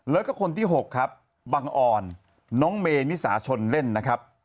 แล้วก็คนที่๖ครับบังออนน้องเมนิสาชนเล่นนะครับ